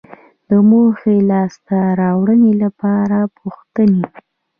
د موخې لاسته راوړنې لپاره پوښتنې